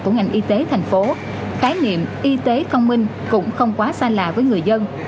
của ngành y tế thành phố khái niệm y tế thông minh cũng không quá xa lạ với người dân